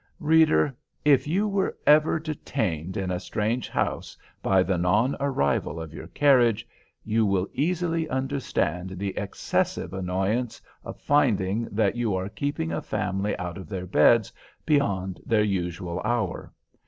Reader, if you were ever detained in a strange house by the non arrival of your carriage, you will easily understand the excessive annoyance of finding that you are keeping a family out of their beds beyond their usual hour.